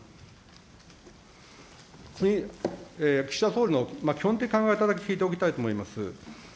次、岸田総理の基本的考え方、聞いておきたいと思います。